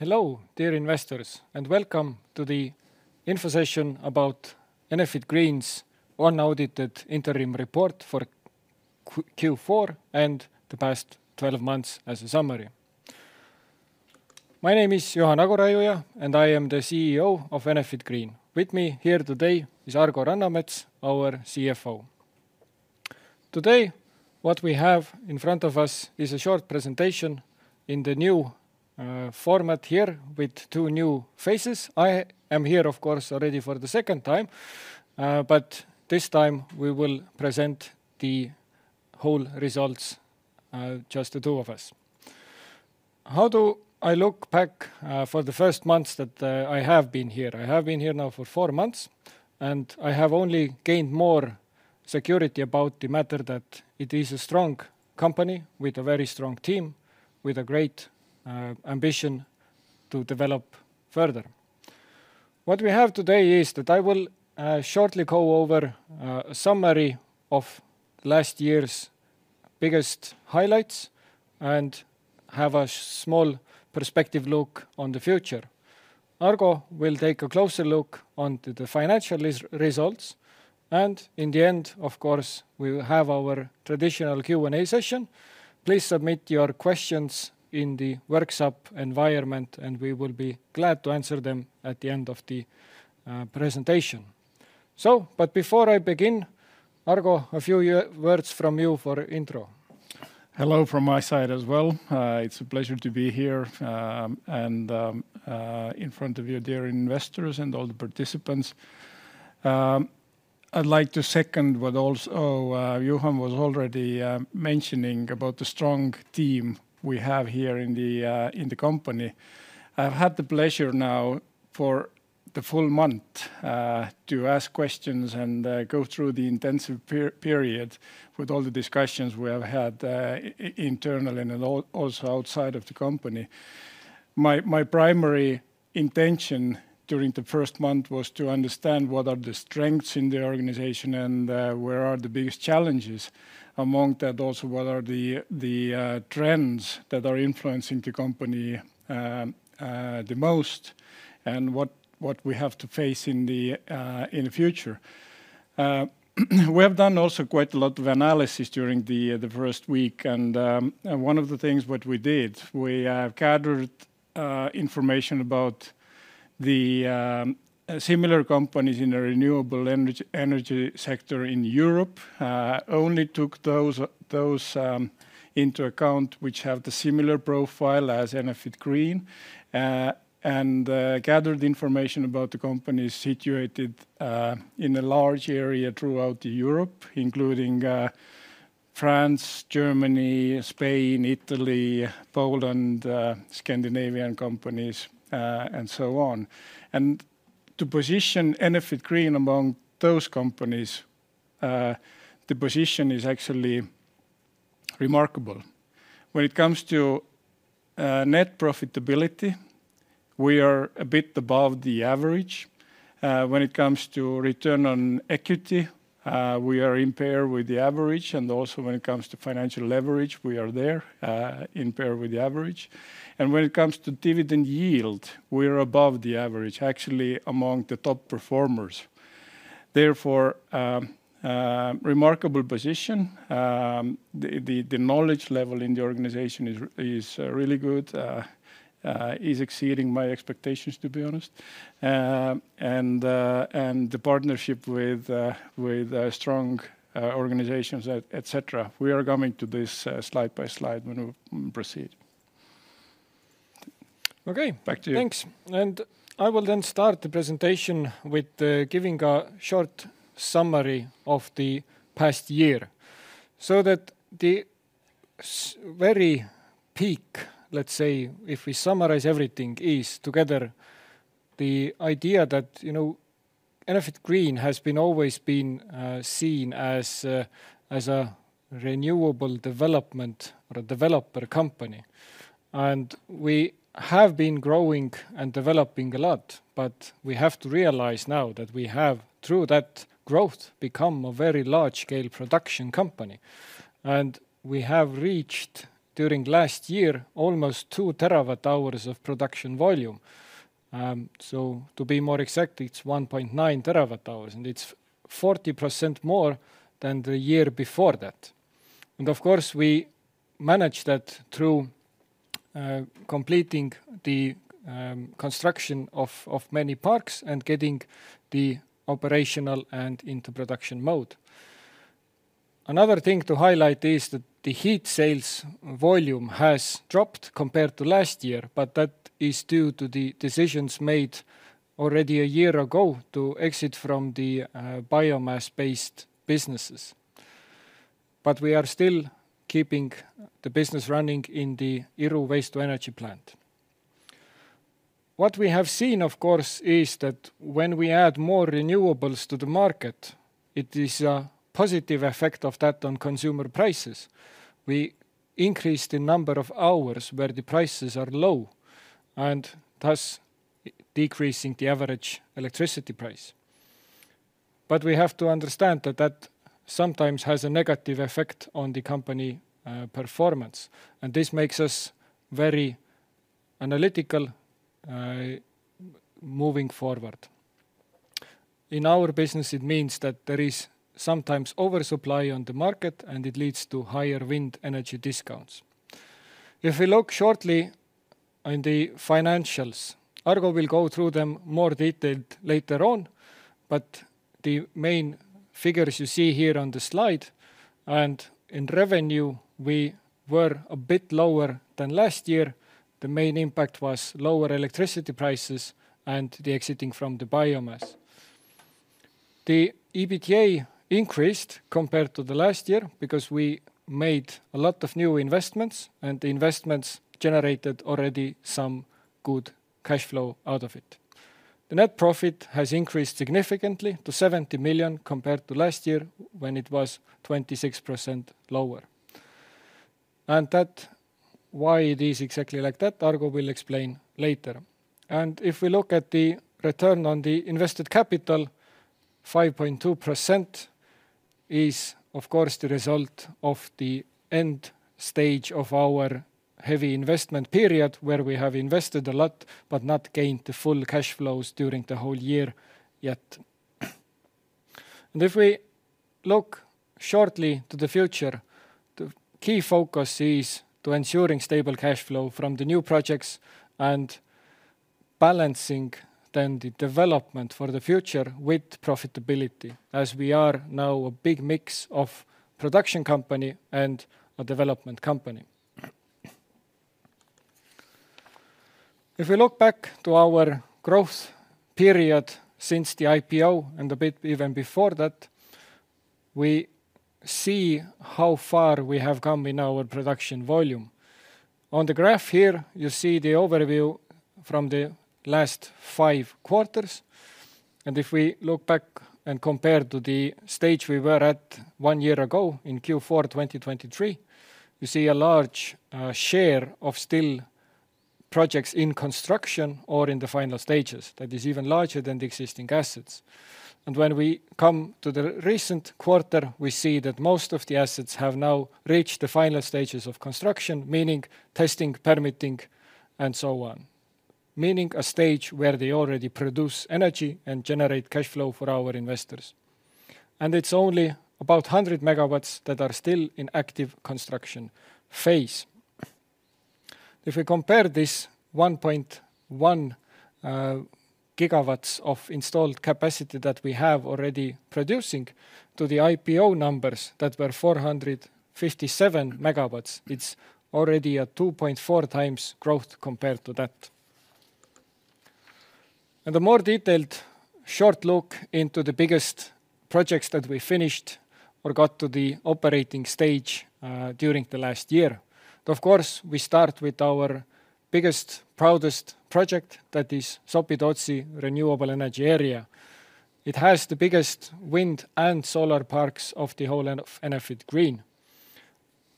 Hello, dear investors, and welcome to the info session about Enefit Green's Unaudited Interim Report for Q4 and the past 12 months as a summary. My name is Juhan Aguraiuja, and I am the CEO of Enefit Green. With me here today is Argo Rannamets, our CFO. Today, what we have in front of us is a short presentation in the new format here with two new faces. I am here, of course, already for the second time, but this time we will present the whole results just the two of us. How do I look back for the first months that I have been here? I have been here now for four months, and I have only gained more security about the matter that it is a strong company with a very strong team, with a great ambition to develop further. What we have today is that I will shortly go over a summary of last year's biggest highlights and have a small perspective look on the future. Argo will take a closer look onto the financial results, and in the end, of course, we will have our traditional Q&A session. Please submit your questions in the workshop environment, and we will be glad to answer them at the end of the presentation. Before I begin, Argo, a few words from you for intro. Hello from my side as well. It's a pleasure to be here and in front of you dear investors and all the participants. I'd like to second what also Juhan was already mentioning about the strong team we have here in the company. I've had the pleasure now for the full month to ask questions and go through the intensive period with all the discussions we have had internally and also outside of the company. My primary intention during the first month was to understand what are the strengths in the organization and where are the biggest challenges. Among that also, what are the trends that are influencing the company the most and what we have to face in the future. We have done also quite a lot of analysis during the first week, and one of the things that we did, we gathered information about the similar companies in the renewable energy sector in Europe, only took those into account which have the similar profile as Enefit Green, and gathered information about the companies situated in a large area throughout Europe, including France, Germany, Spain, Italy, Poland, Scandinavian companies, and so on. To position Enefit Green among those companies, the position is actually remarkable. When it comes to net profitability, we are a bit above the average. When it comes to return on equity, we are in pair with the average, and also when it comes to financial leverage, we are there in pair with the average. When it comes to dividend yield, we are above the average, actually among the top performers. Therefore, remarkable position. The knowledge level in the organization is really good, is exceeding my expectations, to be honest, and the partnership with strong organizations, et cetera. We are coming to this slide by slide when we proceed. Okay, back to you. Thanks. I will then start the presentation with giving a short summary of the past year so that the very peak, let's say, if we summarize everything, is together the idea that Enefit Green has always been seen as a renewable development or a developer company. We have been growing and developing a lot, but we have to realize now that we have, through that growth, become a very large-scale production company. We have reached during last year almost 2 TWh of production volume. To be more exact, it's 1.9 TWh, and it's 40% more than the year before that. Of course, we managed that through completing the construction of many parks and getting the operational and into production mode. Another thing to highlight is that the heat sales volume has dropped compared to last year, but that is due to the decisions made already a year ago to exit from the biomass-based businesses. We are still keeping the business running in the Iru waste-to-energy plant. What we have seen, of course, is that when we add more renewables to the market, it is a positive effect of that on consumer prices. We increased the number of hours where the prices are low and thus decreasing the average electricity price. We have to understand that that sometimes has a negative effect on the company performance, and this makes us very analytical moving forward. In our business, it means that there is sometimes oversupply on the market, and it leads to higher wind energy discounts. If we look shortly on the financials, Argo will go through them more detailed later on, but the main figures you see here on the slide, and in revenue, we were a bit lower than last year. The main impact was lower electricity prices and the exiting from the biomass. The EBITDA increased compared to the last year because we made a lot of new investments, and the investments generated already some good cash flow out of it. The net profit has increased significantly to 70 million compared to last year when it was 26% lower. That why it is exactly like that, Argo will explain later. If we look at the return on the invested capital, 5.2% is, of course, the result of the end stage of our heavy investment period where we have invested a lot but not gained the full cash flows during the whole year yet. If we look shortly to the future, the key focus is to ensuring stable cash flow from the new projects and balancing then the development for the future with profitability as we are now a big mix of production company and a development company. If we look back to our growth period since the IPO and a bit even before that, we see how far we have come in our production volume. On the graph here, you see the overview from the last five quarters. If we look back and compare to the stage we were at one year ago in Q4 2023, you see a large share of still projects in construction or in the final stages. That is even larger than the existing assets. When we come to the recent quarter, we see that most of the assets have now reached the final stages of construction, meaning testing, permitting, and so on, meaning a stage where they already produce energy and generate cash flow for our investors. It is only about 100 MW that are still in active construction phase. If we compare this 1.1 GW of installed capacity that we have already producing to the IPO numbers that were 457 MW, it is already a 2.4 times growth compared to that. A more detailed short look into the biggest projects that we finished or got to the operating stage during the last year. Of course, we start with our biggest, proudest project that is Sopidotsi Renewable Energy Area. It has the biggest wind and solar parks of the whole of Enefit Green.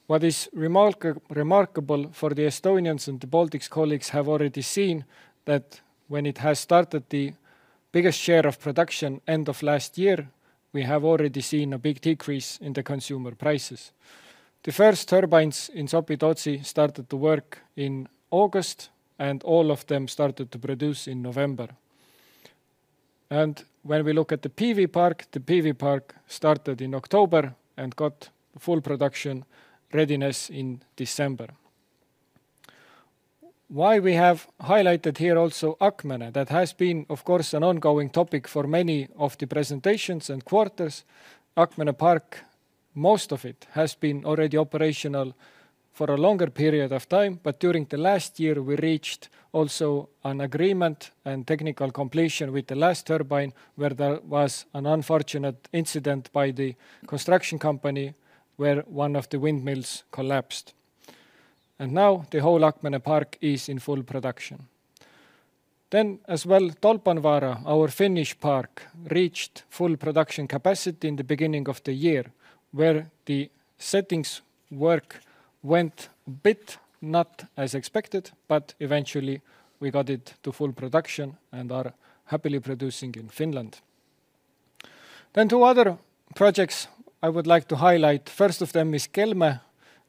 What is remarkable for the Estonians and the Baltics colleagues have already seen that when it has started the biggest share of production end of last year, we have already seen a big decrease in the consumer prices. The first turbines in Sopidotsi started to work in August, and all of them started to produce in November. When we look at the PV park, the PV park started in October and got full production readiness in December. Why we have highlighted here also Akmenė, that has been, of course, an ongoing topic for many of the presentations and quarters. Akmenė Park, most of it has been already operational for a longer period of time, but during the last year, we reached also an agreement and technical completion with the last turbine where there was an unfortunate incident by the construction company where one of the windmills collapsed. Now the whole Akmenė Park is in full production. Tolpanvaara, our Finnish park, reached full production capacity in the beginning of the year where the settings work went a bit not as expected, but eventually we got it to full production and are happily producing in Finland. Two other projects I would like to highlight. First of them is Kelme,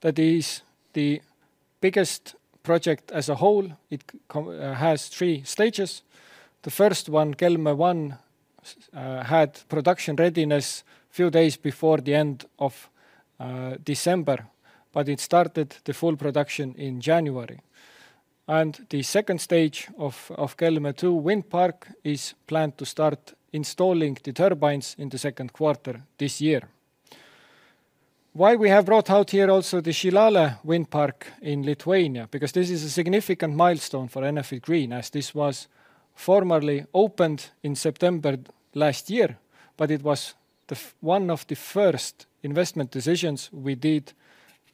that is the biggest project as a whole. It has three stages. The first one, Kelme 1, had production readiness a few days before the end of December, but it started the full production in January. The second stage of Kelme 2 wind park is planned to start installing the turbines in the second quarter this year. Why we have brought out here also the Šilalė wind park in Lithuania? Because this is a significant milestone for Enefit Green, as this was formerly opened in September last year, but it was one of the first investment decisions we did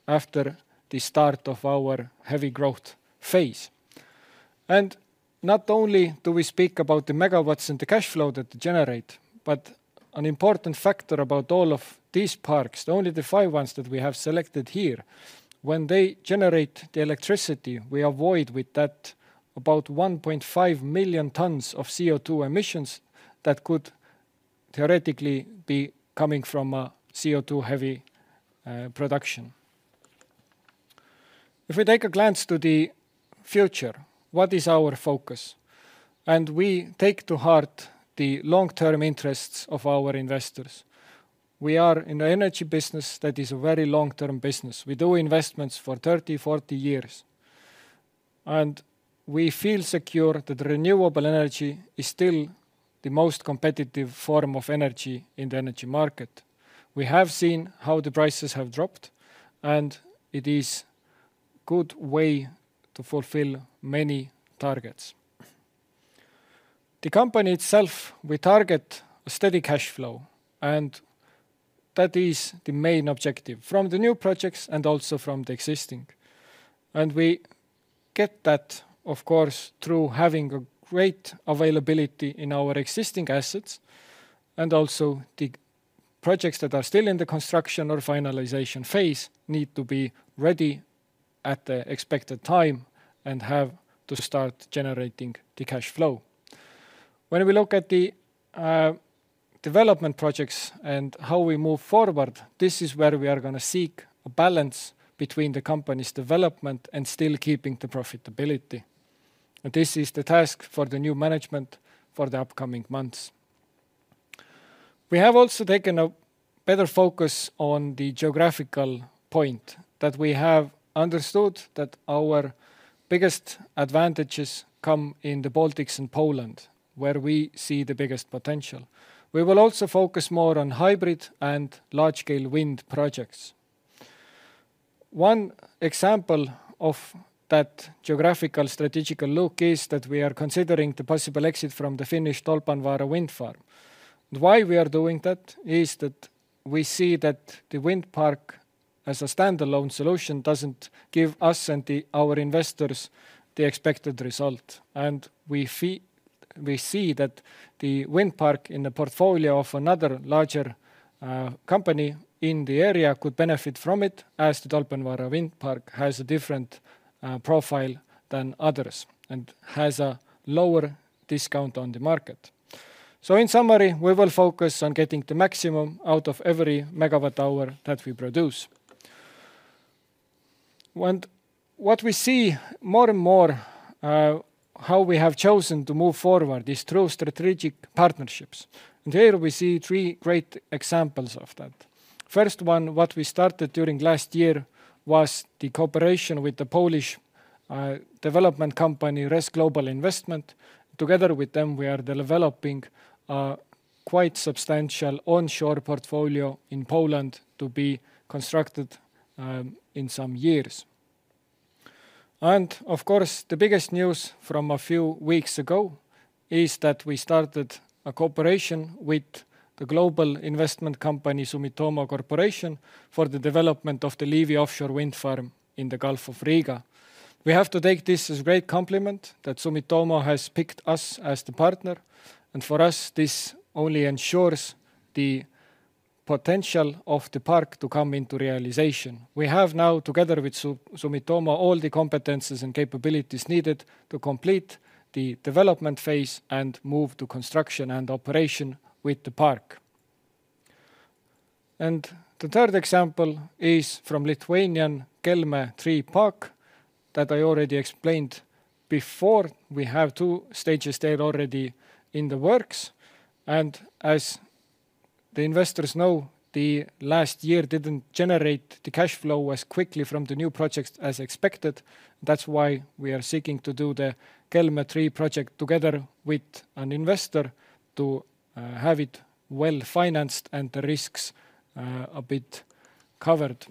after the start of our heavy growth phase. Not only do we speak about the MW and the cash flow that they generate, but an important factor about all of these parks, only the five ones that we have selected here, when they generate the electricity, we avoid with that about 1.5 million tons of CO2 emissions that could theoretically be coming from a CO2-heavy production. If we take a glance to the future, what is our focus? We take to heart the long-term interests of our investors. We are in the energy business that is a very long-term business. We do investments for 30, 40 years. We feel secure that renewable energy is still the most competitive form of energy in the energy market. We have seen how the prices have dropped, and it is a good way to fulfill many targets. The company itself, we target a steady cash flow, and that is the main objective from the new projects and also from the existing. We get that, of course, through having a great availability in our existing assets. Also, the projects that are still in the construction or finalization phase need to be ready at the expected time and have to start generating the cash flow. When we look at the development projects and how we move forward, this is where we are going to seek a balance between the company's development and still keeping the profitability. This is the task for the new management for the upcoming months. We have also taken a better focus on the geographical point that we have understood that our biggest advantages come in the Baltics and Poland, where we see the biggest potential. We will also focus more on hybrid and large-scale wind projects. One example of that geographical strategical look is that we are considering the possible exit from the Finnish Tolpanvaara wind park. Why we are doing that is that we see that the wind park as a standalone solution does not give us and our investors the expected result. We see that the wind park in the portfolio of another larger company in the area could benefit from it as the Tolpanvaara wind park has a different profile than others and has a lower discount on the market. In summary, we will focus on getting the maximum out of every megawatt hour that we produce. What we see more and more, how we have chosen to move forward, is through strategic partnerships. Here we see three great examples of that. First one, what we started during last year was the cooperation with the Polish development company RES Global Investment. Together with them, we are developing a quite substantial onshore portfolio in Poland to be constructed in some years. Of course, the biggest news from a few weeks ago is that we started a cooperation with the global investment company Sumitomo Corporation for the development of the LIVI offshore wind farm in the Gulf of Riga. We have to take this as a great compliment that Sumitomo has picked us as the partner. For us, this only ensures the potential of the park to come into realization. We have now, together with Sumitomo, all the competencies and capabilities needed to complete the development phase and move to construction and operation with the park. The third example is from Lithuanian Kelme 3 Park that I already explained before. We have two stages there already in the works. As the investors know, the last year did not generate the cash flow as quickly from the new projects as expected. That is why we are seeking to do the Kelme 3 project together with an investor to have it well financed and the risks a bit covered.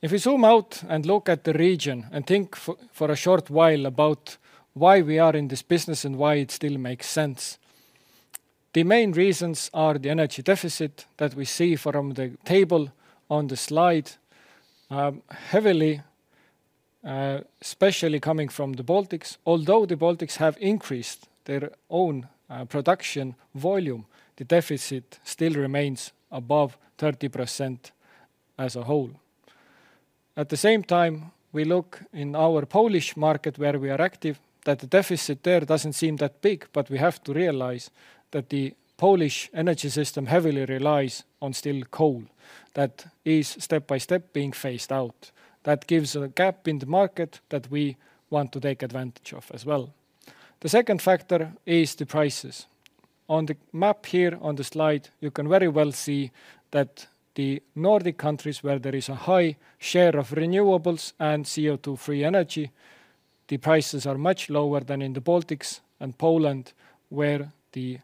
If we zoom out and look at the region and think for a short while about why we are in this business and why it still makes sense, the main reasons are the energy deficit that we see from the table on the slide, heavily especially coming from the Baltics. Although the Baltics have increased their own production volume, the deficit still remains above 30% as a whole. At the same time, we look in our Polish market where we are active that the deficit there does not seem that big, but we have to realize that the Polish energy system heavily relies on still coal that is step by step being phased out. That gives a gap in the market that we want to take advantage of as well. The second factor is the prices. On the map here on the slide, you can very well see that the Nordic countries where there is a high share of renewables and CO2-free energy, the prices are much lower than in the Baltics and Poland where the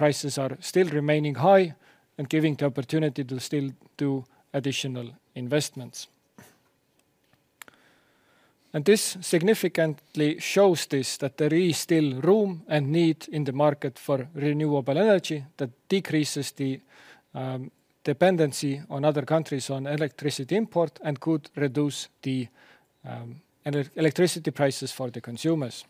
prices are still remaining high and giving the opportunity to still do additional investments. This significantly shows that there is still room and need in the market for renewable energy that decreases the dependency on other countries on electricity import and could reduce the electricity prices for the consumers.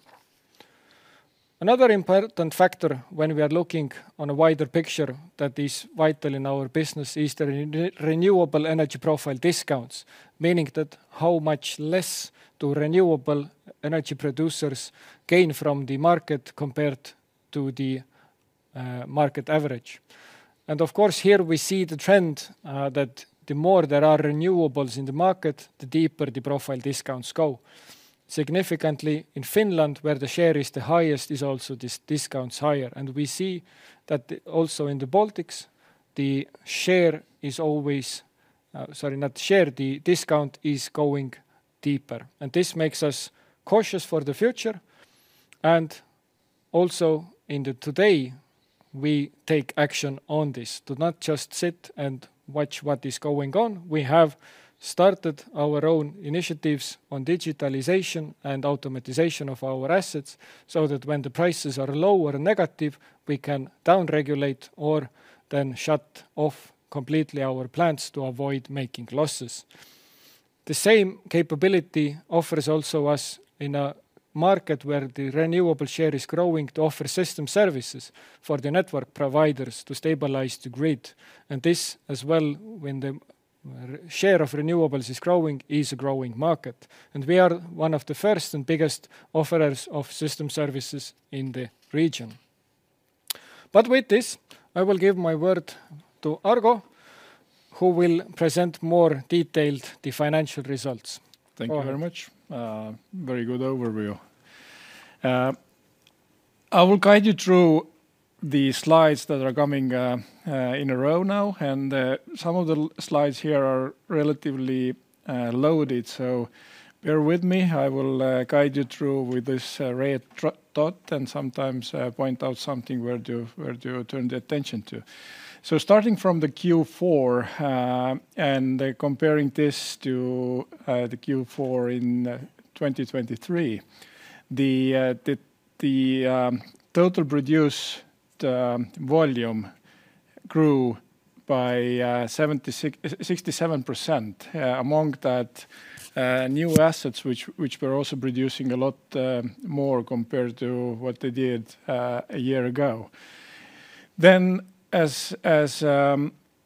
Another important factor when we are looking on a wider picture that is vital in our business is the renewable energy profile discounts, meaning that how much less do renewable energy producers gain from the market compared to the market average. Of course, here we see the trend that the more there are renewables in the market, the deeper the profile discounts go. Significantly, in Finland, where the share is the highest, these discounts are also higher. We see that also in the Baltics, the discount is going deeper. This makes us cautious for the future. Also, today, we take action on this to not just sit and watch what is going on. We have started our own initiatives on digitalization and automatization of our assets so that when the prices are lower or negative, we can downregulate or then shut off completely our plants to avoid making losses. The same capability offers us, in a market where the renewable share is growing, the opportunity to offer system services for the network providers to stabilize the grid. This as well, when the share of renewables is growing, is a growing market. We are one of the first and biggest offerers of system services in the region. With this, I will give my word to Argo, who will present in more detail the financial results. Thank you very much. Very good overview. I will guide you through the slides that are coming in a row now. Some of the slides here are relatively loaded, so bear with me. I will guide you through with this red dot and sometimes point out something where to turn the attention to. Starting from the Q4 and comparing this to the Q4 in 2023, the total produced volume grew by 67%. Among that, new assets, which were also producing a lot more compared to what they did a year ago. As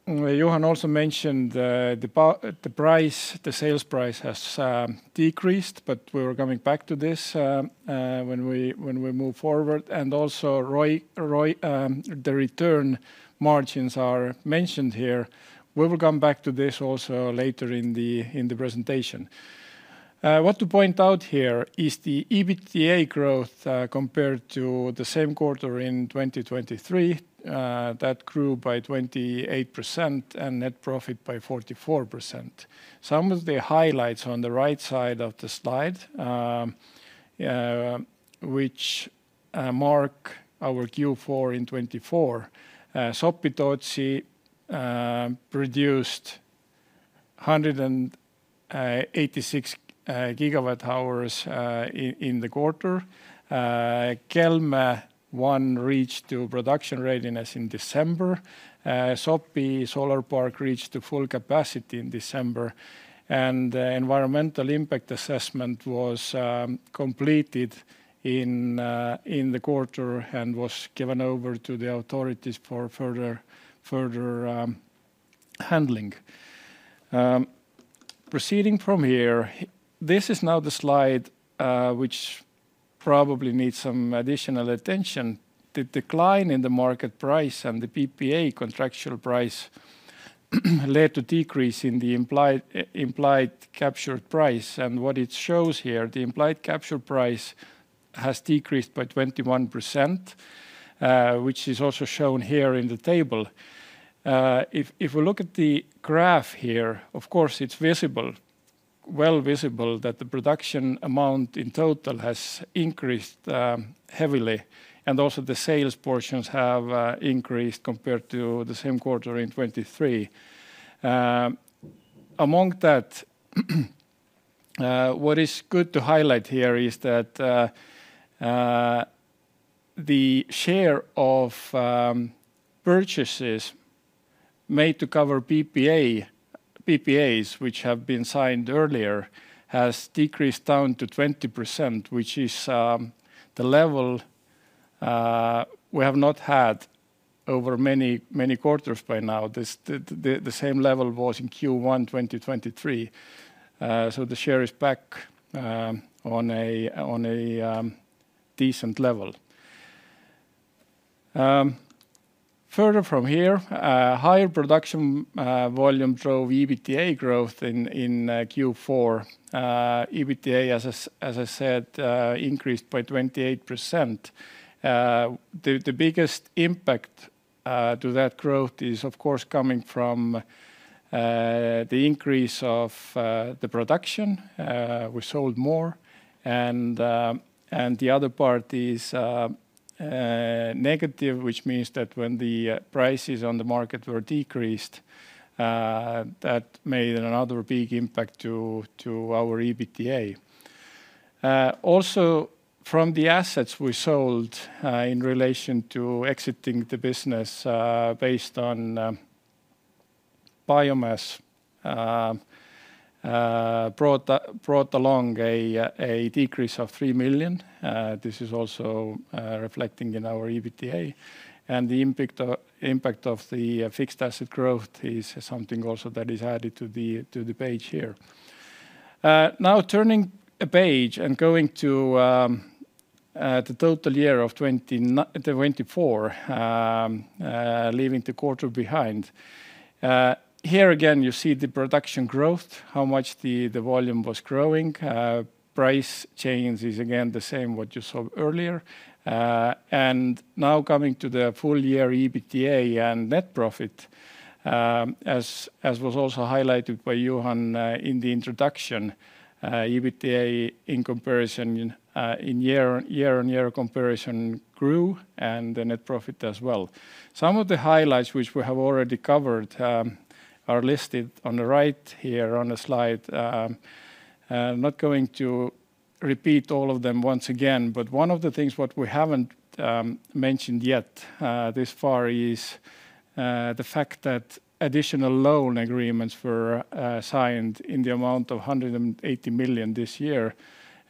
Juhan also mentioned, the price, the sales price has decreased, but we will come back to this when we move forward. Also, the return margins are mentioned here. We will come back to this also later in the presentation. What to point out here is the EBITDA growth compared to the same quarter in 2023 that grew by 28% and net profit by 44%. Some of the highlights on the right side of the slide, which mark our Q4 in 2024, Sopi-Tootsi produced 186 GW hours in the quarter. Kelme 1 reached production readiness in December. Sopi Solar Park reached full capacity in December. The environmental impact assessment was completed in the quarter and was given over to the authorities for further handling. Proceeding from here, this is now the slide which probably needs some additional attention. The decline in the market price and the PPA contractual price led to a decrease in the implied capture price. What it shows here, the implied capture price has decreased by 21%, which is also shown here in the table. If we look at the graph here, of course, it is visible, well visible that the production amount in total has increased heavily. Also, the sales portions have increased compared to the same quarter in 2023. Among that, what is good to highlight here is that the share of purchases made to cover PPAs, which have been signed earlier, has decreased down to 20%, which is the level we have not had over many quarters by now. The same level was in Q1 2023. The share is back on a decent level. Further from here, higher production volume drove EBITDA growth in Q4. EBITDA, as I said, increased by 28%. The biggest impact to that growth is, of course, coming from the increase of the production. We sold more. The other part is negative, which means that when the prices on the market were decreased, that made another big impact to our EBITDA. Also, from the assets we sold in relation to exiting the business based on biomass, brought along a decrease of 3 million. This is also reflecting in our EBITDA. The impact of the fixed asset growth is something also that is added to the page here. Now turning a page and going to the total year of 2024, leaving the quarter behind. Here again, you see the production growth, how much the volume was growing. Price change is again the same what you saw earlier. Now coming to the full year EBITDA and net profit, as was also highlighted by Juhan in the introduction, EBITDA in comparison in year-on-year comparison grew and the net profit as well. Some of the highlights which we have already covered are listed on the right here on the slide. I'm not going to repeat all of them once again, but one of the things what we haven't mentioned yet this far is the fact that additional loan agreements were signed in the amount of 180 million this year.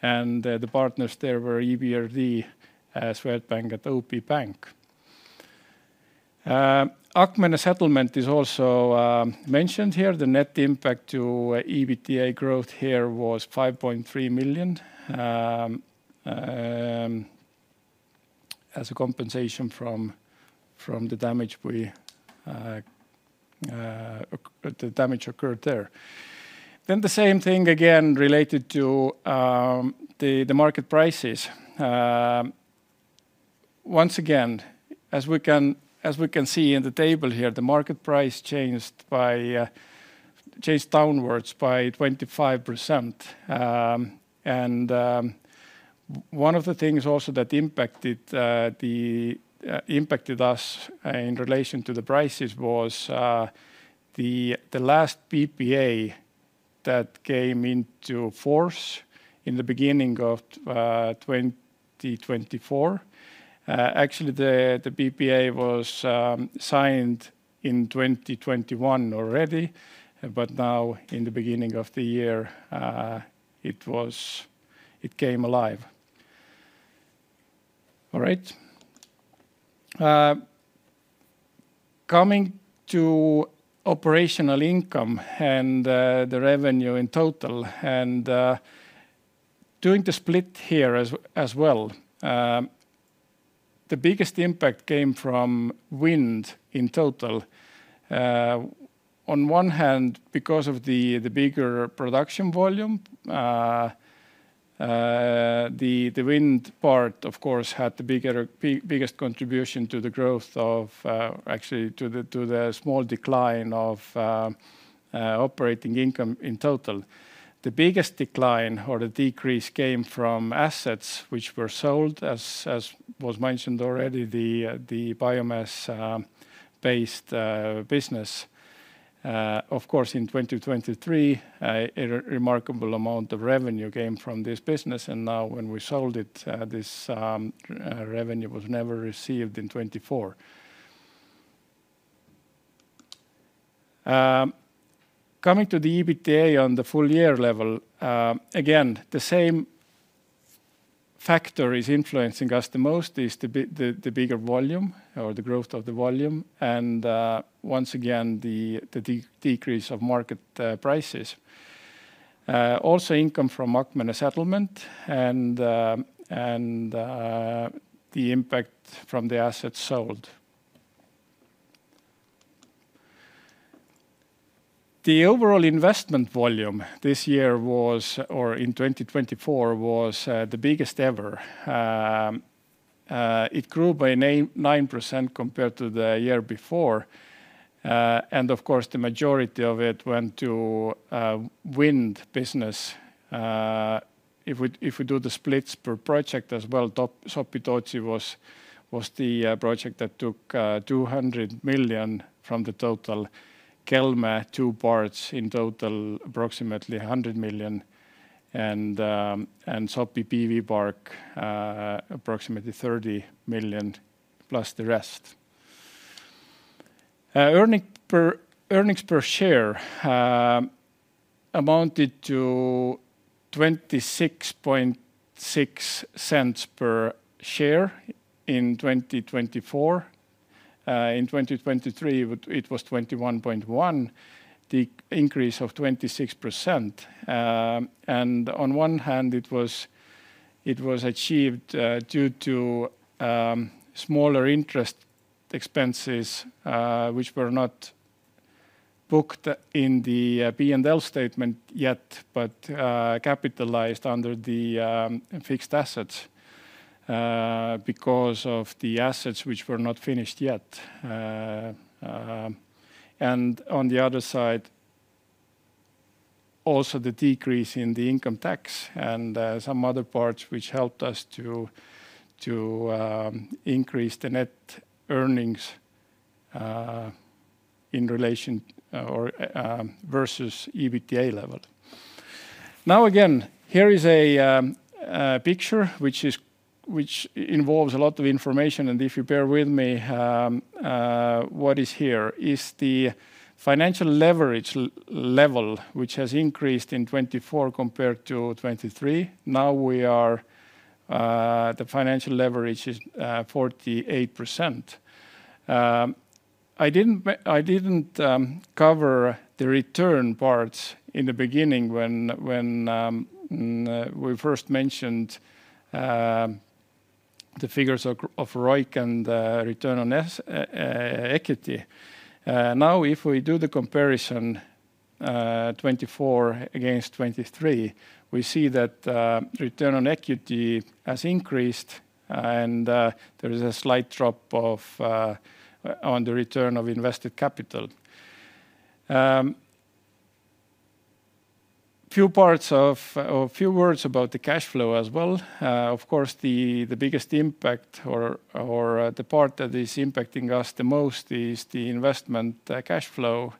The partners there were EBRD, Swedbank, and OP Bank. Akmenė Settlement is also mentioned here. The net impact to EBITDA growth here was 5.3 million as a compensation from the damage occurred there. The same thing again related to the market prices. Once again, as we can see in the table here, the market price changed downwards by 25%. One of the things also that impacted us in relation to the prices was the last PPA that came into force in the beginning of 2024. Actually, the PPA was signed in 2021 already, but now in the beginning of the year, it came alive. All right. Coming to operational income and the revenue in total and doing the split here as well, the biggest impact came from wind in total. On one hand, because of the bigger production volume, the wind part, of course, had the biggest contribution to the growth of, actually, to the small decline of operating income in total. The biggest decline or the decrease came from assets, which were sold, as was mentioned already, the biomass-based business. Of course, in 2023, a remarkable amount of revenue came from this business. Now when we sold it, this revenue was never received in 2024. Coming to the EBITDA on the full year level, again, the same factor is influencing us the most is the bigger volume or the growth of the volume. Once again, the decrease of market prices. Also income from Akmenė Settlement and the impact from the assets sold. The overall investment volume this year was, or in 2024, was the biggest ever. It grew by 9% compared to the year before. Of course, the majority of it went to wind business. If we do the splits per project as well, Sopi-Tootsi was the project that took 200 million from the total. Kelme two parts in total approximately 100 million. Sopi PV Park approximately 30 million plus the rest. Earnings per share amounted to 0.266 per share in 2024. In 2023, it was 0.211, the increase of 26%. On one hand, it was achieved due to smaller interest expenses, which were not booked in the P&L statement yet, but capitalized under the fixed assets because of the assets which were not finished yet. On the other side, also the decrease in the income tax and some other parts which helped us to increase the net earnings in relation versus EBITDA level. Now again, here is a picture which involves a lot of information. If you bear with me, what is here is the financial leverage level, which has increased in 2024 compared to 2023. Now the financial leverage is 48%. I did not cover the return parts in the beginning when we first mentioned the figures of ROIC and return on equity. If we do the comparison 2024 against 2023, we see that return on equity has increased and there is a slight drop on the return of invested capital. Few words about the cash flow as well. Of course, the biggest impact or the part that is impacting us the most is the investment cash flow,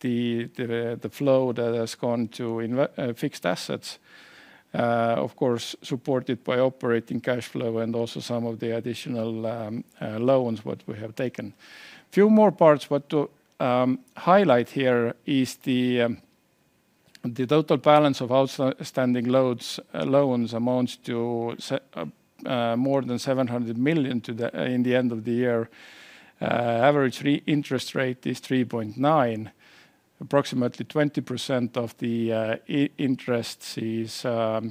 the flow that has gone to fixed assets, of course, supported by operating cash flow and also some of the additional loans what we have taken. Few more parts what to highlight here is the total balance of outstanding loans amounts to more than 700 million in the end of the year. Average interest rate is 3.9%. Approximately 20% of the interest is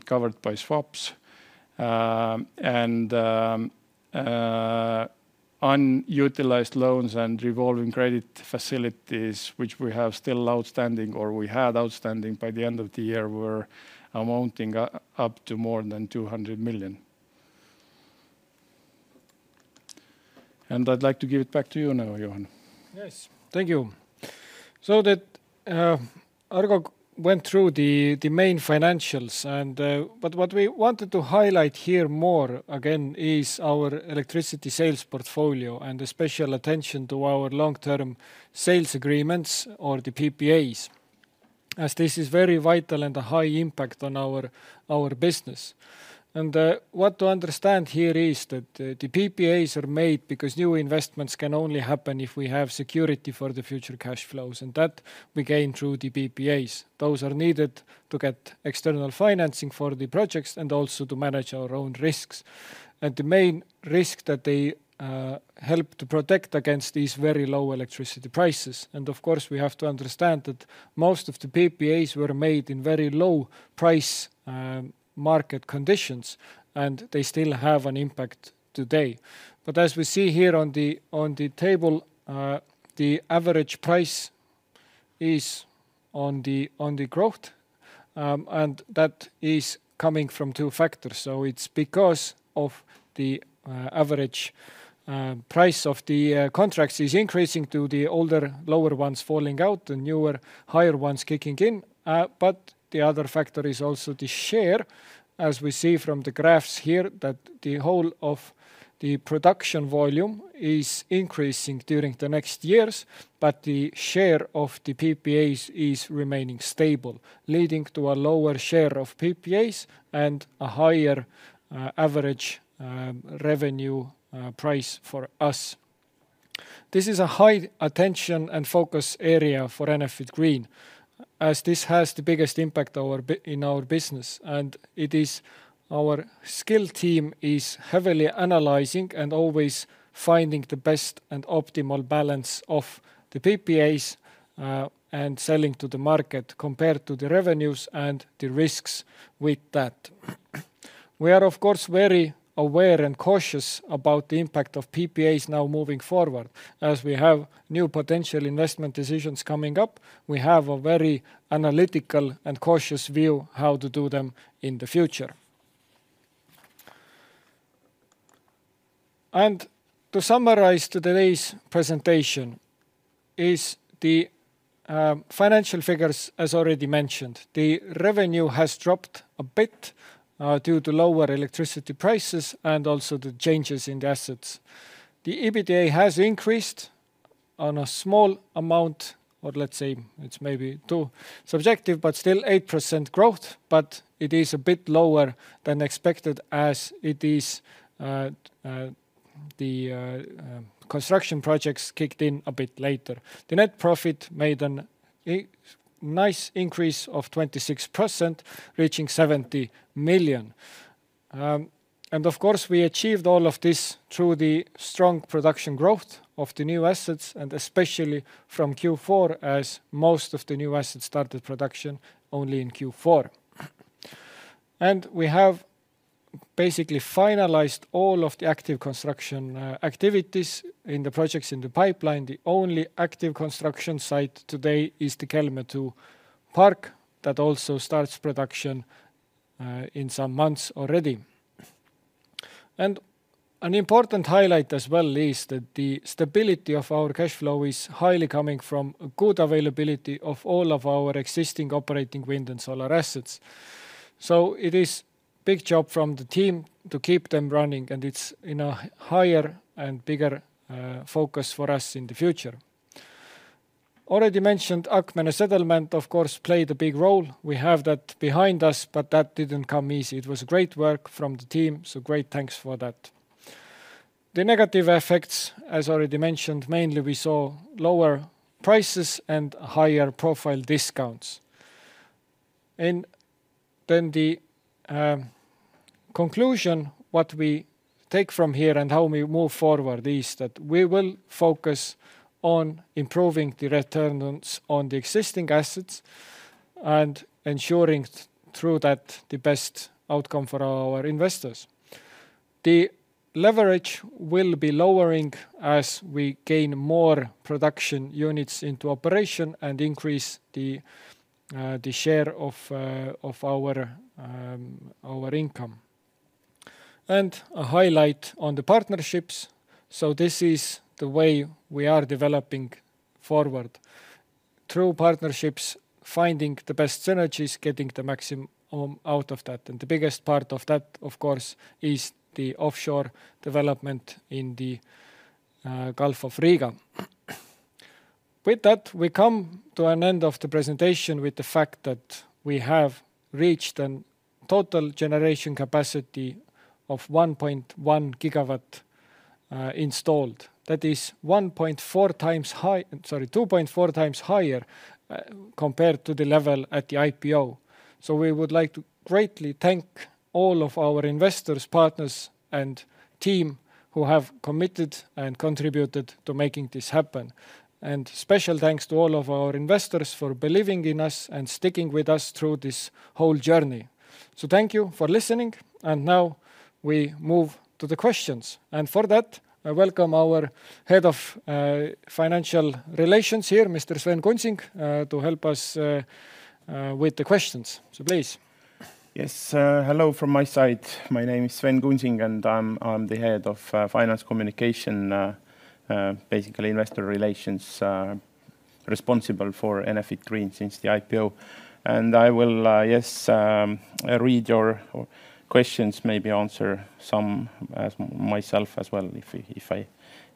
covered by swaps. Unutilized loans and revolving credit facilities, which we have still outstanding or we had outstanding by the end of the year, were amounting up to more than 200 million. I'd like to give it back to you now, Juhan. Yes, thank you. That Argo went through the main financials. What we wanted to highlight here more again is our electricity sales portfolio and the special attention to our long-term sales agreements or the PPAs, as this is very vital and a high impact on our business. What to understand here is that the PPAs are made because new investments can only happen if we have security for the future cash flows. That we gain through the PPAs. Those are needed to get external financing for the projects and also to manage our own risks. The main risk that they help to protect against is these very low electricity prices. Of course, we have to understand that most of the PPAs were made in very low price market conditions. They still have an impact today. As we see here on the table, the average price is on the growth. That is coming from two factors. It is because the average price of the contracts is increasing due to the older lower ones falling out, the newer higher ones kicking in. The other factor is also the share, as we see from the graphs here, that the whole of the production volume is increasing during the next years, but the share of the PPAs is remaining stable, leading to a lower share of PPAs and a higher average revenue price for us. This is a high attention and focus area for Enefit Green, as this has the biggest impact in our business. It is our skill team is heavily analyzing and always finding the best and optimal balance of the PPAs and selling to the market compared to the revenues and the risks with that. We are, of course, very aware and cautious about the impact of PPAs now moving forward. As we have new potential investment decisions coming up, we have a very analytical and cautious view how to do them in the future. To summarize today's presentation is the financial figures, as already mentioned. The revenue has dropped a bit due to lower electricity prices and also the changes in the assets. The EBITDA has increased on a small amount, or let's say it's maybe too subjective, but still 8% growth, but it is a bit lower than expected as it is the construction projects kicked in a bit later. The net profit made a nice increase of 26%, reaching 70 million. Of course, we achieved all of this through the strong production growth of the new assets, and especially from Q4, as most of the new assets started production only in Q4. We have basically finalized all of the active construction activities in the projects in the pipeline. The only active construction site today is the Kelme 2 park that also starts production in some months already. An important highlight as well is that the stability of our cash flow is highly coming from good availability of all of our existing operating wind and solar assets. It is a big job from the team to keep them running, and it's in a higher and bigger focus for us in the future. Already mentioned, Akmenė Settlement, of course, played a big role. We have that behind us, but that did not come easy. It was great work from the team, so great thanks for that. The negative effects, as already mentioned, mainly we saw lower prices and higher profile discounts. The conclusion what we take from here and how we move forward is that we will focus on improving the returns on the existing assets and ensuring through that the best outcome for our investors. The leverage will be lowering as we gain more production units into operation and increase the share of our income. A highlight on the partnerships. This is the way we are developing forward through partnerships, finding the best synergies, getting the maximum out of that. The biggest part of that, of course, is the offshore development in the Gulf of Riga. With that, we come to an end of the presentation with the fact that we have reached a total generation capacity of 1.1 GW installed. That is 1.4 times high, sorry, 2.4 times higher compared to the level at the IPO. We would like to greatly thank all of our investors, partners, and team who have committed and contributed to making this happen. Special thanks to all of our investors for believing in us and sticking with us through this whole journey. Thank you for listening. Now we move to the questions. For that, I welcome our Head of Investor Relations here, Mr. Sven Kunsing, to help us with the questions. Please. Yes, hello from my side. My name is Sven Kunsing, and I'm the Head of Investor Relations, responsible for Enefit Green since the IPO. I will, yes, read your questions, maybe answer some myself as well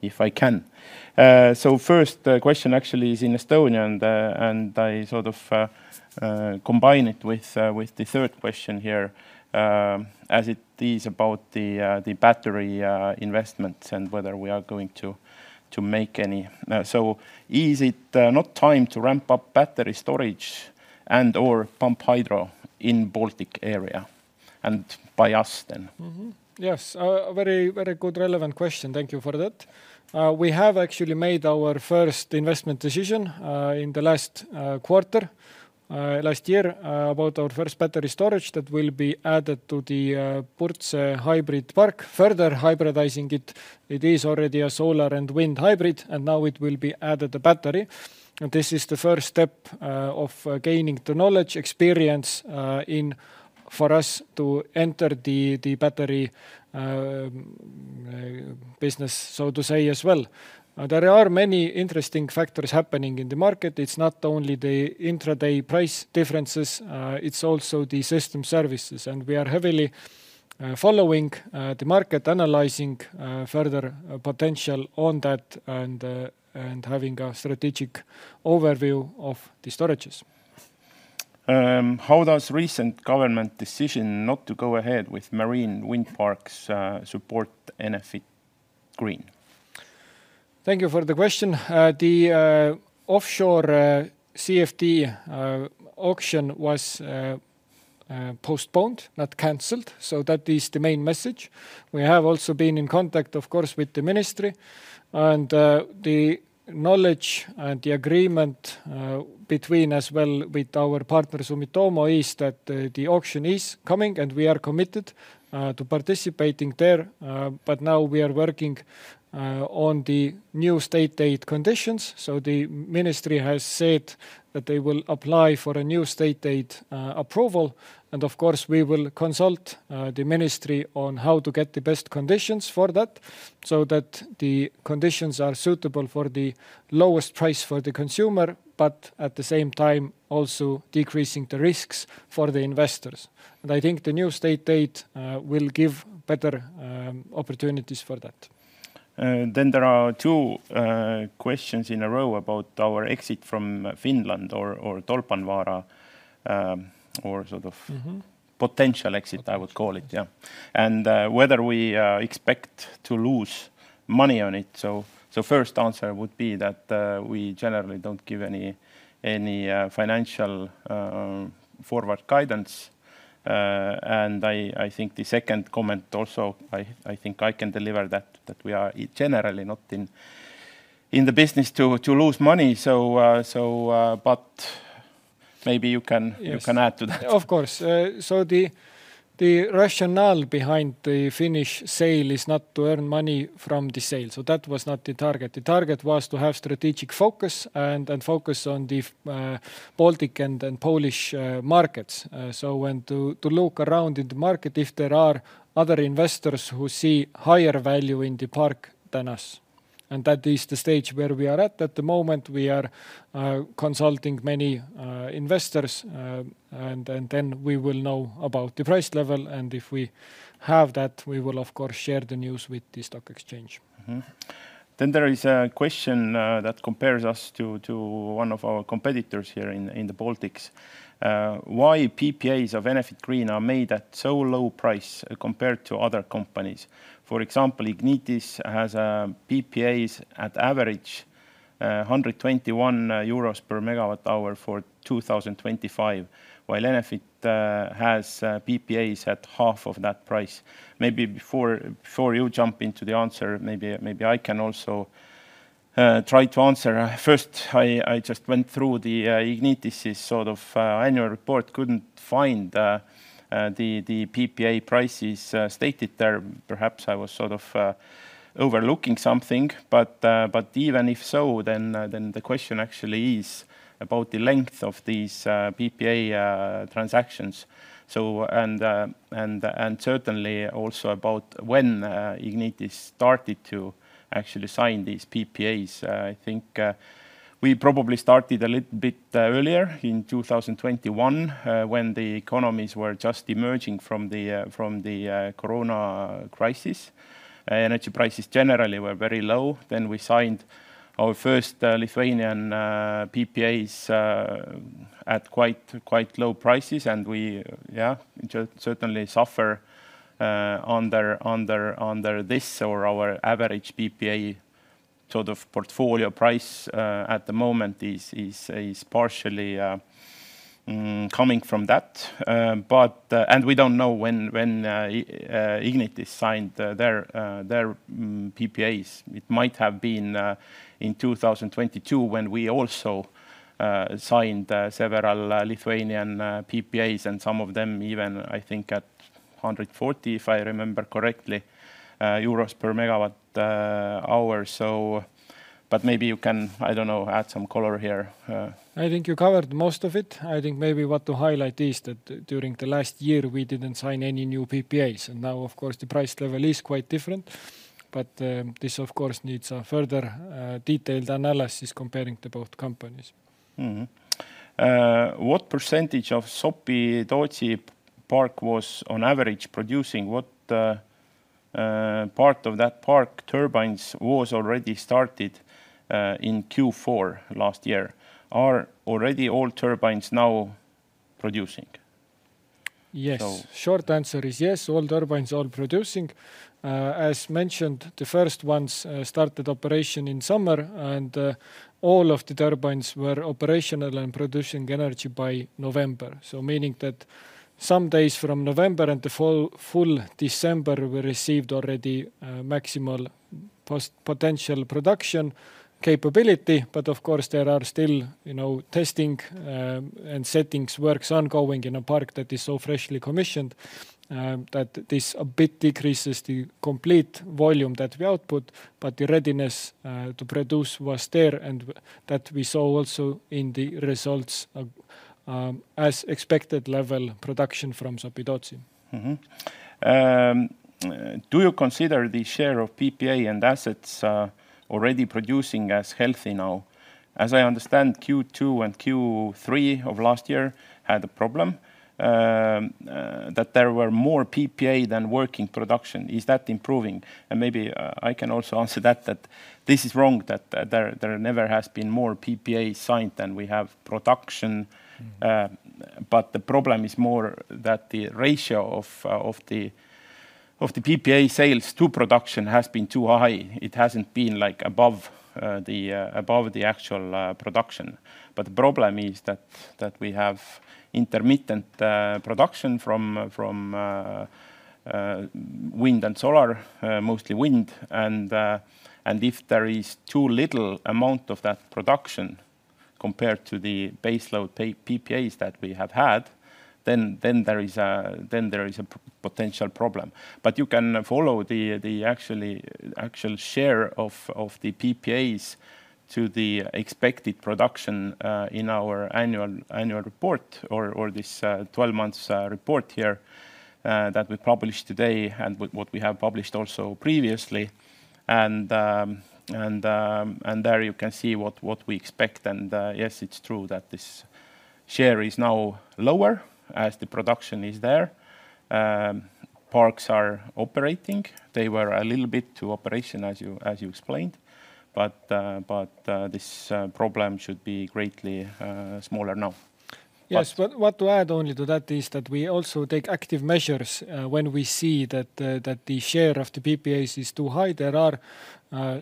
if I can. The first question actually is in Estonian, and I sort of combine it with the third question here, as it is about the battery investments and whether we are going to make any. Is it not time to ramp up battery storage and/or pump hydro in Baltic area and by us then? Yes, a very good relevant question. Thank you for that. We have actually made our first investment decision in the last quarter, last year about our first battery storage that will be added to the Porsche hybrid park, further hybridizing it. It is already a solar and wind hybrid, and now it will be added a battery. This is the first step of gaining the knowledge, experience for us to enter the battery business, so to say as well. There are many interesting factors happening in the market. It's not only the intraday price differences. It's also the system services. We are heavily following the market, analyzing further potential on that and having a strategic overview of the storages. How does recent government decision not to go ahead with marine wind parks support Enefit Green? Thank you for the question. The offshore CFD auction was postponed, not canceled. That is the main message. We have also been in contact, of course, with the ministry. The knowledge and the agreement between as well with our partners Sumitomo is that the auction is coming and we are committed to participating there. Now we are working on the new state aid conditions. The ministry has said that they will apply for a new state aid approval. Of course, we will consult the ministry on how to get the best conditions for that so that the conditions are suitable for the lowest price for the consumer, but at the same time also decreasing the risks for the investors. I think the new state aid will give better opportunities for that. There are two questions in a row about our exit from Finland or Tolpanvaara or sort of potential exit, I would call it, yeah. Whether we expect to lose money on it. The first answer would be that we generally do not give any financial forward guidance. I think the second comment also, I think I can deliver that we are generally not in the business to lose money. Maybe you can add to that. Of course. The rationale behind the Finnish sale is not to earn money from the sale. That was not the target. The target was to have strategic focus and focus on the Baltic and Polish markets. When we look around in the market if there are other investors who see higher value in the park than us, that is the stage where we are at. At the moment, we are consulting many investors. We will know about the price level, and if we have that, we will, of course, share the news with the stock exchange. There is a question that compares us to one of our competitors here in the Baltics. Why are PPAs of Enefit Green made at so low price compared to other companies? For example, Ignitis has PPAs at average 121 euros per megawatt hour for 2025, while Enefit has PPAs at half of that price. Maybe before you jump into the answer, maybe I can also try to answer. First, I just went through Ignitis's sort of annual report, could not find the PPA prices stated there. Perhaps I was sort of overlooking something. Even if so, the question actually is about the length of these PPA transactions. Certainly also about when Ignitis started to actually sign these PPAs. I think we probably started a little bit earlier in 2021 when the economies were just emerging from the corona crisis. Energy prices generally were very low. We signed our first Lithuanian PPAs at quite low prices. We, yeah, certainly suffer under this or our average PPA sort of portfolio price at the moment is partially coming from that. We do not know when Ignitis signed their PPAs. It might have been in 2022 when we also signed several Lithuanian PPAs and some of them even, I think, at 140, if I remember correctly, per megawatt hour. Maybe you can, I do not know, add some color here. I think you covered most of it. I think maybe what to highlight is that during the last year, we did not sign any new PPAs. Now, of course, the price level is quite different. This, of course, needs a further detailed analysis comparing to both companies. What percentage of Sopidotsi Park was on average producing? What part of that park turbines was already started in Q4 last year? Are already all turbines now producing? Yes. Short answer is yes. All turbines are producing. As mentioned, the first ones started operation in summer. All of the turbines were operational and producing energy by November. Meaning that some days from November and the full December, we received already maximal potential production capability. Of course, there are still testing and settings works ongoing in a park that is so freshly commissioned that this a bit decreases the complete volume that we output. The readiness to produce was there. That we saw also in the results as expected level production from Sopi-Tootsi. Do you consider the share of PPA and assets already producing as healthy now? As I understand, Q2 and Q3 of last year had a problem that there were more PPA than working production. Is that improving? Maybe I can also answer that, that this is wrong, that there never has been more PPA signed than we have production. The problem is more that the ratio of the PPA sales to production has been too high. It hasn't been like above the actual production. The problem is that we have intermittent production from wind and solar, mostly wind. If there is too little amount of that production compared to the baseload PPAs that we have had, then there is a potential problem. You can follow the actual share of the PPAs to the expected production in our annual report or this 12-month report here that we published today and what we have published also previously. There you can see what we expect. Yes, it's true that this share is now lower as the production is there. Parks are operating. They were a little bit to operation, as you explained. This problem should be greatly smaller now. Yes, what to add only to that is that we also take active measures when we see that the share of the PPAs is too high. There are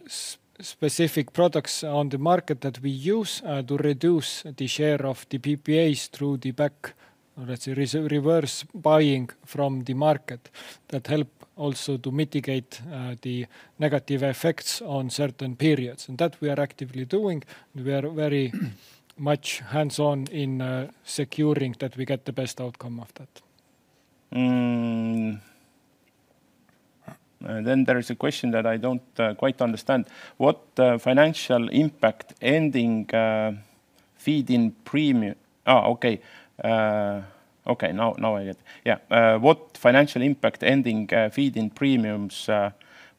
specific products on the market that we use to reduce the share of the PPAs through the back, let's say, reverse buying from the market that help also to mitigate the negative effects on certain periods. That we are actively doing. We are very much hands-on in securing that we get the best outcome of that. There is a question that I don't quite understand. What financial impact ending feed-in premium? Oh, okay. Okay, now I get it. Yeah. What financial impact ending feed-in premiums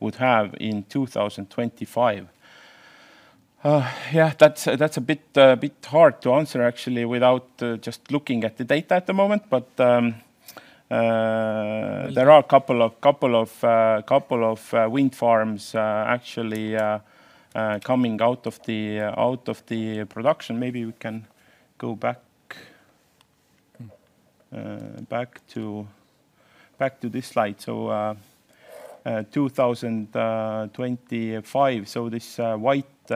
would have in 2025? Yeah, that's a bit hard to answer actually without just looking at the data at the moment. There are a couple of wind farms actually coming out of the production. Maybe we can go back to this slide. In 2025, this white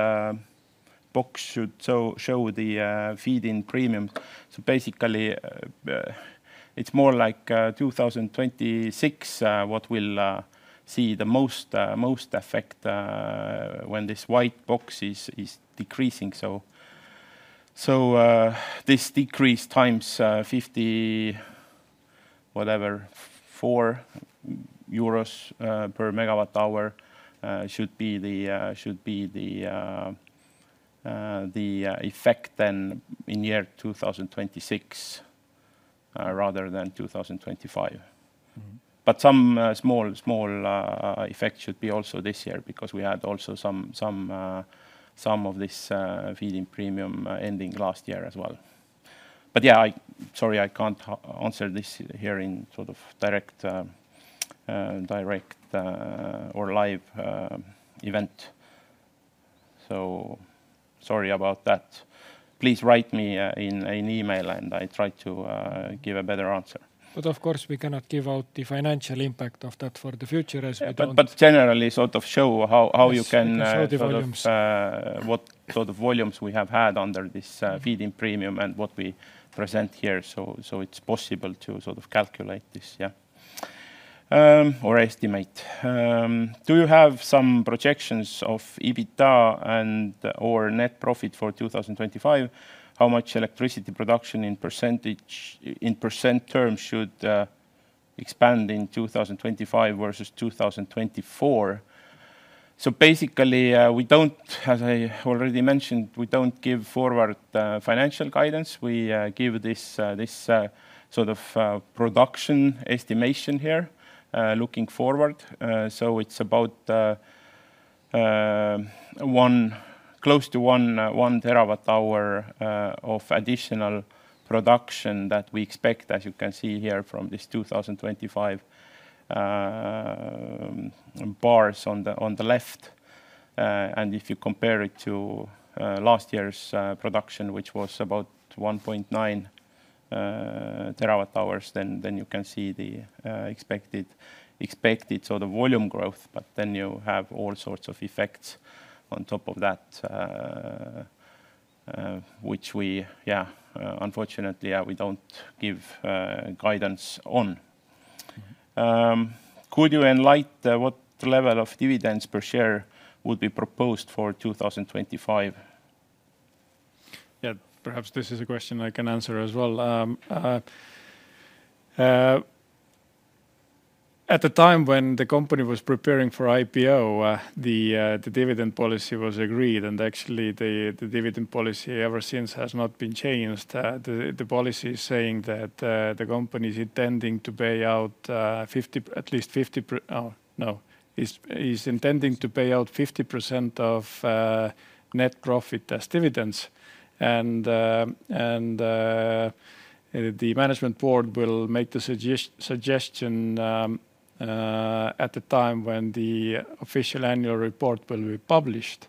box should show the feed-in premium. Basically, it is more like 2026 when we will see the most effect when this white box is decreasing. This decrease times 54 euros per megawatt hour should be the effect then in year 2026 rather than 2025. Some small effect should be also this year because we had also some of this feed-in premium ending last year as well. Sorry, I cannot answer this here in sort of direct or live event. Sorry about that. Please write me in an email and I try to give a better answer. Of course, we cannot give out the financial impact of that for the future as we do not. Generally, sort of show how you can sort of volumes, what sort of volumes we have had under this feed-in premium and what we present here. It's possible to sort of calculate this, yeah, or estimate. Do you have some projections of EBITDA and/or net profit for 2025? How much electricity production in % terms should expand in 2025 versus 2024? Basically, we don't, as I already mentioned, we don't give forward financial guidance. We give this sort of production estimation here looking forward. It's about close to one terawatt hour of additional production that we expect, as you can see here from this 2025 bars on the left. If you compare it to last year's production, which was about 1.9 TWh, then you can see the expected sort of volume growth. But then you have all sorts of effects on top of that, which we, yeah, unfortunately, we do not give guidance on. Could you enlighten what level of dividends per share would be proposed for 2025? Yeah, perhaps this is a question I can answer as well. At the time when the company was preparing for IPO, the dividend policy was agreed. Actually, the dividend policy ever since has not been changed. The policy is saying that the company is intending to pay out at least 50%, no, is intending to pay out 50% of net profit as dividends. The Management Board will make the suggestion at the time when the official annual report will be published.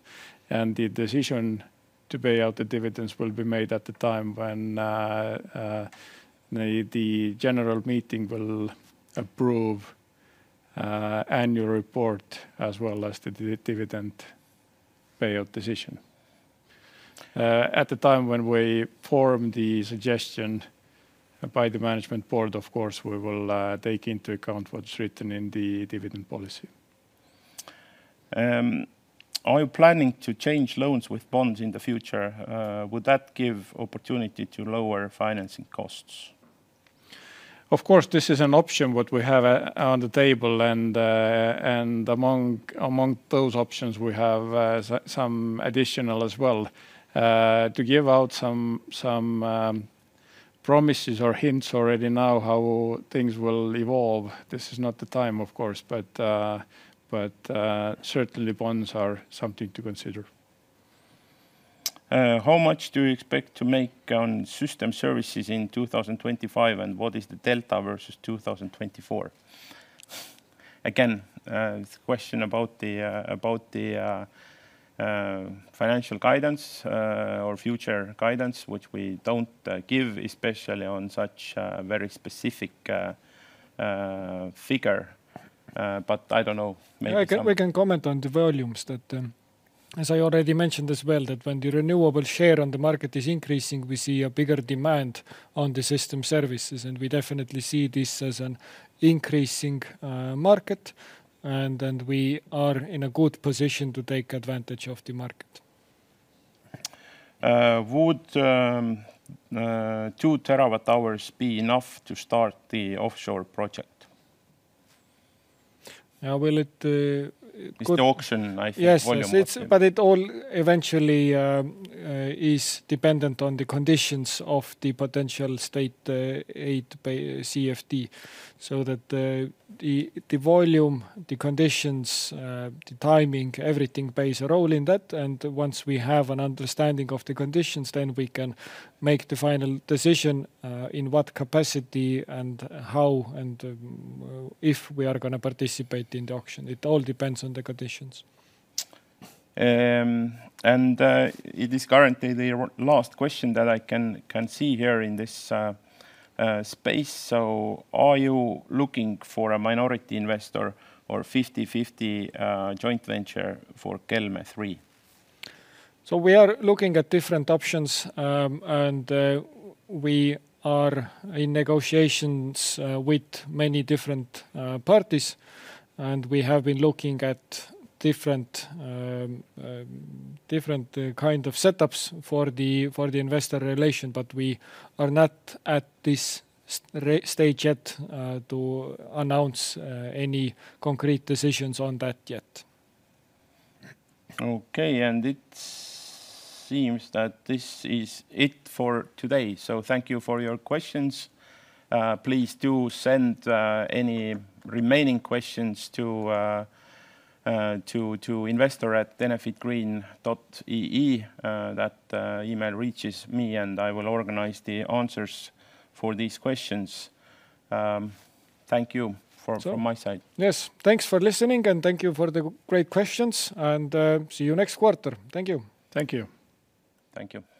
The decision to pay out the dividends will be made at the time when the general meeting will approve the annual report as well as the dividend payout decision. At the time when we form the suggestion by the management board, of course, we will take into account what's written in the dividend policy. Are you planning to change loans with bonds in the future? Would that give opportunity to lower financing costs? Of course, this is an option we have on the table. Among those options, we have some additional as well to give out some promises or hints already now how things will evolve. This is not the time, of course, but certainly bonds are something to consider. How much do you expect to make on system services in 2025? And what is the delta versus 2024? Again, it's a question about the financial guidance or future guidance, which we don't give especially on such a very specific figure. I don't know. We can comment on the volumes that, as I already mentioned as well, that when the renewable share on the market is increasing, we see a bigger demand on the system services. We definitely see this as an increasing market. We are in a good position to take advantage of the market. Would 2 TWh be enough to start the offshore project? Will it be the auction, I think? Yes, but it all eventually is dependent on the conditions of the potential state aid CFD. The volume, the conditions, the timing, everything plays a role in that. Once we have an understanding of the conditions, then we can make the final decision in what capacity and how and if we are going to participate in the auction. It all depends on the conditions. It is currently the last question that I can see here in this space. Are you looking for a minority investor or 50-50 joint venture for Kelme 3? We are looking at different options. We are in negotiations with many different parties. We have been looking at different kinds of setups for the investor relation. We are not at this stage yet to announce any concrete decisions on that yet. Okay, it seems that this is it for today. Thank you for your questions. Please do send any remaining questions to investor@enefitgreen.ee. That email reaches me, and I will organize the answers for these questions. Thank you from my side. Yes, thanks for listening, and thank you for the great questions. See you next quarter. Thank you. Thank you. Thank you.